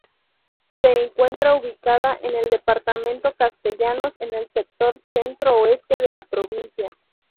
Se encuentra ubicada en el departamento Castellanos, en el sector centro-oeste de la provincia.